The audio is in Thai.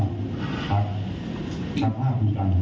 เดี๋ยวเหมือนเราเงียบหรือตรา